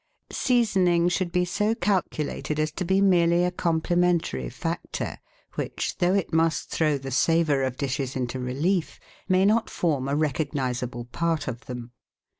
Seasoning should be so calculated as to be merely a com plementary factor, which, though it must throw the savour of dishes into relief, may not form a recognisable part of them.